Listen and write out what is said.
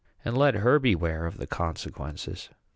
And let her beware of the consequences.